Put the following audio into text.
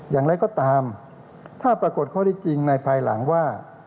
อย่างไรก็ตามถ้าปรากฏข้อได้จริงในภายหลังว่า